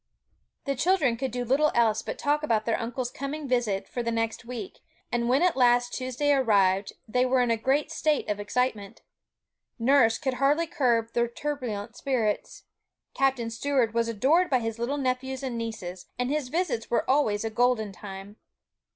The children could do little else but talk about their uncle's coming visit for the next week; and when at last Tuesday arrived, they were in a great state of excitement. Nurse could hardly curb their turbulent spirits. Captain Stuart was adored by his little nephews and nieces, and his visits were always a golden time.